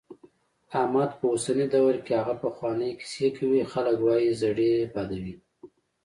احمد په اوسني دور کې هغه پخوانۍ کیسې کوي، خلک وايي زړې بادوي.